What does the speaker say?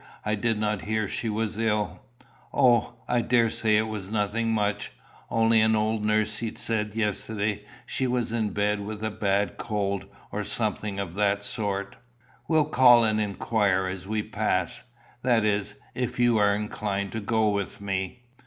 I did not hear she was ill." "O, I daresay it is nothing much. Only old nursey said yesterday she was in bed with a bad cold, or something of that sort." "We'll call and inquire as we pass, that is, if you are inclined to go with me."